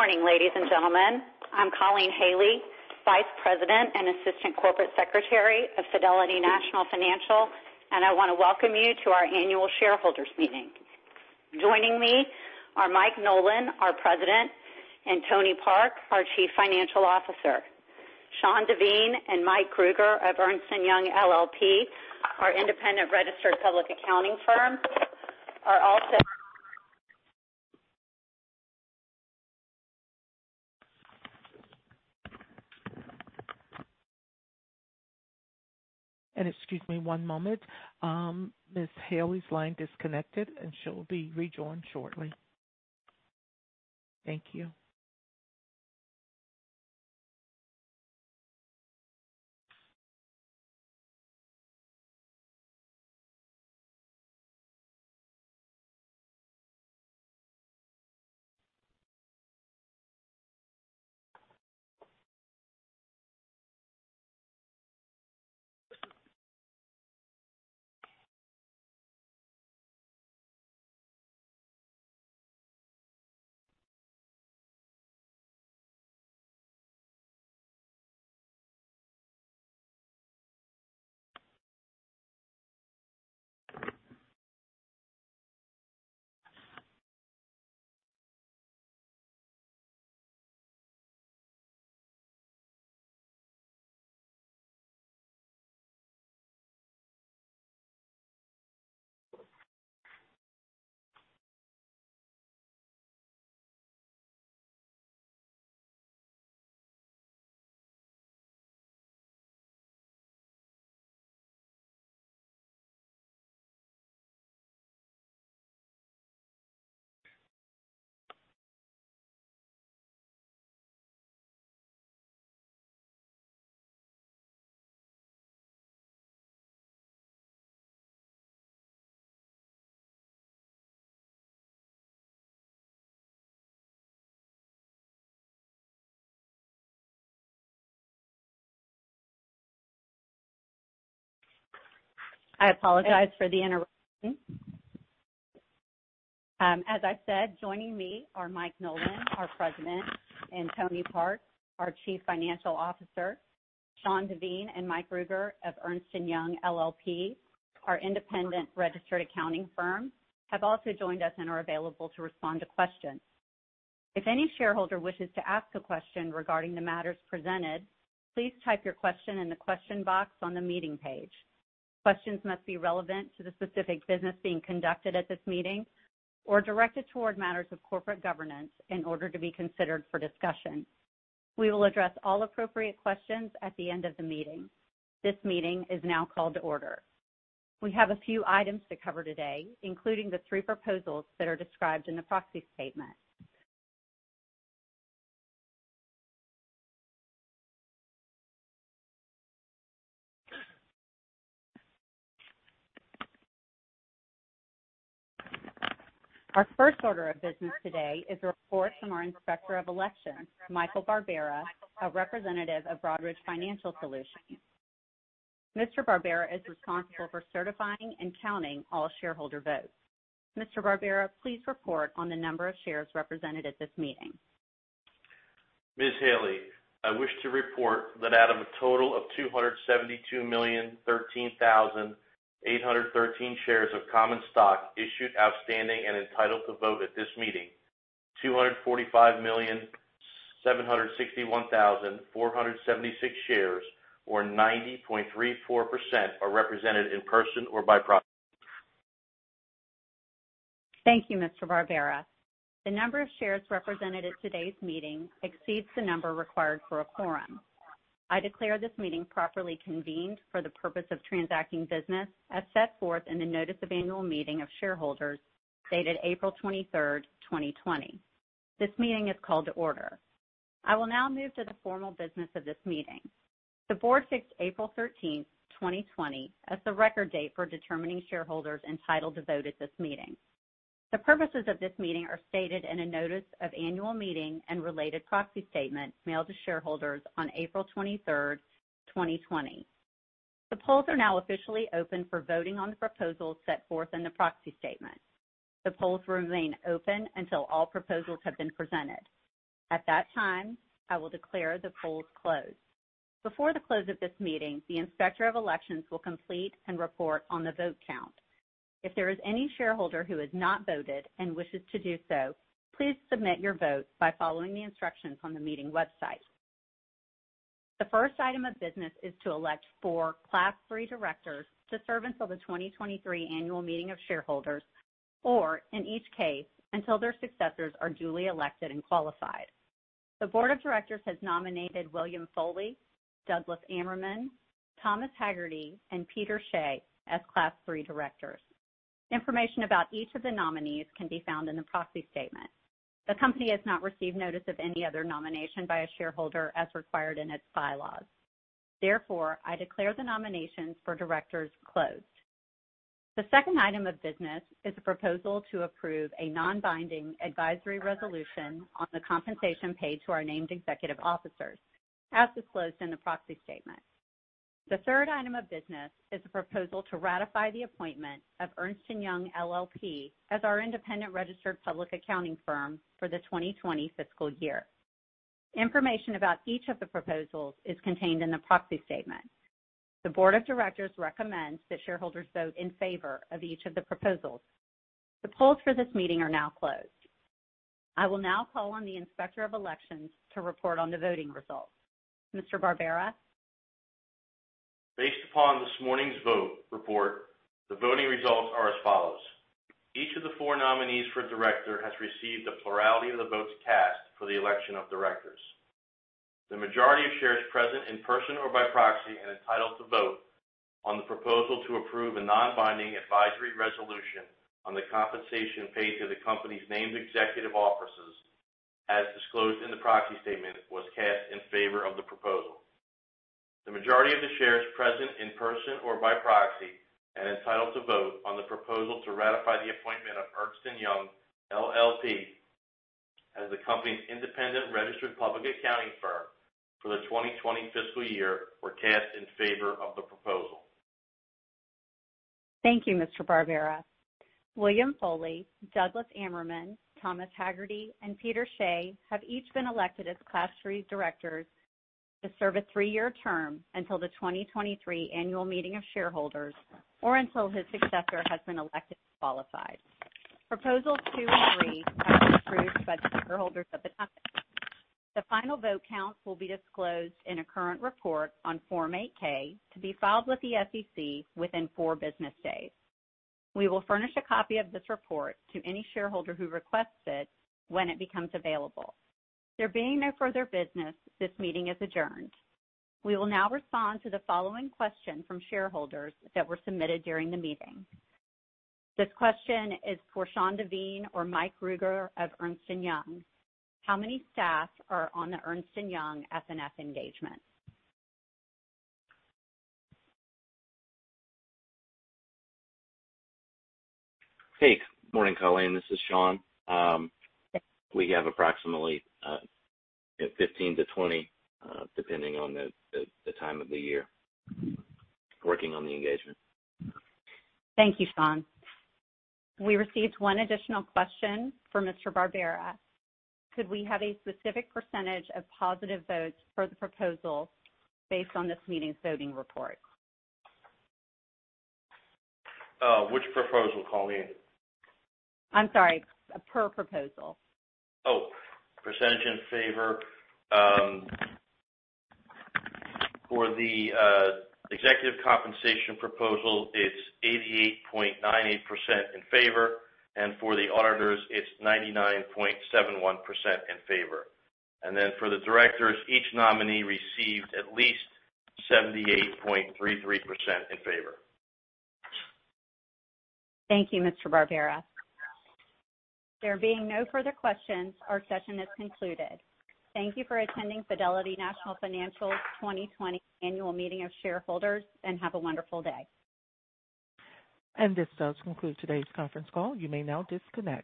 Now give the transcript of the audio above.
Good morning, ladies and gentlemen. I'm Colleen Haley, Vice President and Assistant Corporate Secretary of Fidelity National Financial, and I want to welcome you to our annual shareholders meeting. Joining me are Mike Nolan, our President, and Tony Park, our Chief Financial Officer. Shawn Devine and Mike Krueger of Ernst & Young LLP, our independent registered public accounting firm, are also— And excuse me one moment, Ms. Haley's line disconnected, and she'll be rejoined shortly. Thank you. I apologize for the interruption. As I said, joining me are Mike Nolan, our President, and Tony Park, our Chief Financial Officer. Shawn Devine and Mike Krueger of Ernst & Young LLP, our independent registered accounting firm, have also joined us and are available to respond to questions. If any shareholder wishes to ask a question regarding the matters presented, please type your question in the question box on the meeting page. Questions must be relevant to the specific business being conducted at this meeting or directed toward matters of corporate governance in order to be considered for discussion. We will address all appropriate questions at the end of the meeting. This meeting is now called to order. We have a few items to cover today, including the three proposals that are described in the proxy statement. Our first order of business today is a report from our Inspector of Elections, Michael Barbera, a representative of Broadridge Financial Solutions. Mr. Barbera is responsible for certifying and counting all shareholder votes. Mr. Barbera, please report on the number of shares represented at this meeting. Ms. Haley, I wish to report that out of a total of 272,013,813 shares of common stock issued, outstanding, and entitled to vote at this meeting, 245,761,476 shares, or 90.34%, are represented in person or by proxy. Thank you, Mr. Barbera. The number of shares represented at today's meeting exceeds the number required for a quorum. I declare this meeting properly convened for the purpose of transacting business as set forth in the Notice of Annual Meeting of Shareholders dated 23 April 2020. This meeting is called to order. I will now move to the formal business of this meeting. The board fixed 13 April 2020, as the record date for determining shareholders entitled to vote at this meeting. The purposes of this meeting are stated in a Notice of Annual Meeting and related proxy statement mailed to shareholders on 23 April 2020. The polls are now officially open for voting on the proposals set forth in the proxy statement. The polls will remain open until all proposals have been presented. At that time, I will declare the polls closed. Before the close of this meeting, the Inspector of Elections will complete and report on the vote count. If there is any shareholder who has not voted and wishes to do so, please submit your vote by following the instructions on the meeting website. The first item of business is to elect four Class III directors to serve until the 2023 Annual Meeting of Shareholders, or in each case, until their successors are duly elected and qualified. The Board of Directors has nominated William Foley, Douglas Ammerman, Thomas Hagerty, and Peter Shea as Class III directors. Information about each of the nominees can be found in the proxy statement. The company has not received notice of any other nomination by a shareholder as required in its bylaws. Therefore, I declare the nominations for directors closed. The second item of business is a proposal to approve a non-binding advisory resolution on the compensation paid to our named executive officers, as disclosed in the proxy statement. The third item of business is a proposal to ratify the appointment of Ernst & Young LLP as our independent registered public accounting firm for the 2020 fiscal year. Information about each of the proposals is contained in the proxy statement. The Board of Directors recommends that shareholders vote in favor of each of the proposals. The polls for this meeting are now closed. I will now call on the Inspector of Elections to report on the voting results. Mr. Barbera? Based upon this morning's vote report, the voting results are as follows. Each of the four nominees for director has received the plurality of the votes cast for the election of directors. The majority of shares present in person or by proxy and entitled to vote on the proposal to approve a non-binding advisory resolution on the compensation paid to the company's named executive officers, as disclosed in the proxy statement, was cast in favor of the proposal. The majority of the shares present in person or by proxy and entitled to vote on the proposal to ratify the appointment of Ernst & Young LLP as the company's independent registered public accounting firm for the 2020 fiscal year were cast in favor of the proposal. Thank you, Mr. Barbera. William Foley, Douglas Ammerman, Thomas Hagerty, and Peter Shea have each been elected as Class III directors to serve a three-year term until the 2023 Annual Meeting of Shareholders or until his successor has been elected and qualified. Proposals two and three have been approved by the shareholders at the time. The final vote count will be disclosed in a current report on Form 8-K to be filed with the SEC within four business days. We will furnish a copy of this report to any shareholder who requests it when it becomes available. There being no further business, this meeting is adjourned. We will now respond to the following question from shareholders that were submitted during the meeting. This question is for Shawn Devine or Mike Krueger of Ernst & Young. How many staff are on the Ernst & Young S&F engagement? Hey, good morning, Colleen. This is Shawn. We have approximately 15-20, depending on the time of the year, working on the engagement. Thank you, Shawn. We received one additional question from Mr. Barbera. Could we have a specific percentage of positive votes for the proposal based on this meeting's voting report? Which proposal, Colleen? I'm sorry, per proposal. Oh, percentage in favor for the executive compensation proposal, it's 88.98% in favor, and for the auditors, it's 99.71% in favor. And then for the directors, each nominee received at least 78.33% in favor. Thank you, Mr. Barbera. There being no further questions, our session is concluded. Thank you for attending Fidelity National Financial's 2020 Annual Meeting of Shareholders. And have a wonderful day. This does conclude today's conference call. You may now disconnect.